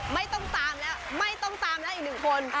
ไม่ต้องตามแล้วไม่ต้องตามแล้วอีกหนึ่งคน